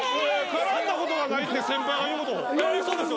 絡んだことがないって先輩が言うことです。